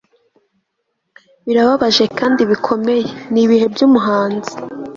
birababaje kandi bikomeye ni ibihe byumuhanzi